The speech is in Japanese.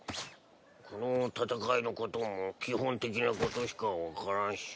この戦いのことも基本的なことしか分からんし。